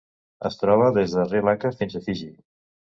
Es troba des de Sri Lanka fins a Fiji.